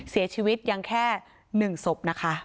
เสียชีวิตยังแค่๑ศพ